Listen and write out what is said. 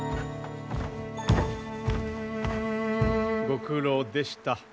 ご苦労でした。